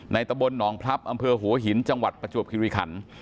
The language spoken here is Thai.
ตะบลหนองพลับอำเภอหัวหินจังหวัดประจวบคิริขัน